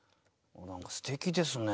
何かすてきですね。